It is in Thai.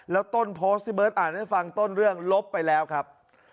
แล้วต้นโพสต์ที่เบิร์ตอ่านให้ฟังต้นเรื่องลบไปแล้วครับ